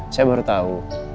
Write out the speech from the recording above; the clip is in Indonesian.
saya baru tahu